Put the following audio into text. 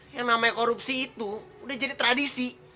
yang namanya korupsi itu udah jadi tradisi